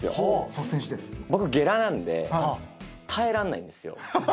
僕ゲラなんで耐えらんないんですよ。